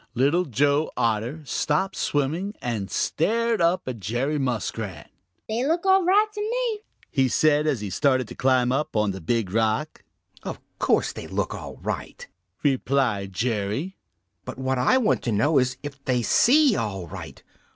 Little Joe Otter stopped swimming and stared up at Jerry Muskrat. "They look all right to me," said he, as he started to climb up on the Big Rock. "Of course they look all right," replied Jerry, "but what I want to know is if they see all right.